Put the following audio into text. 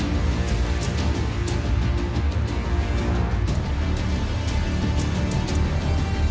ดามมันสามารถไปได้